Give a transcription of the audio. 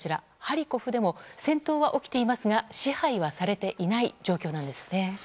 ハリコフでも戦闘は起きていますが支配はされていない状況なんですね。